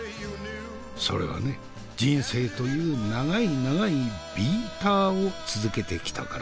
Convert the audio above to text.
「それはね人生という長い長いビーターを続けてきたからさ」。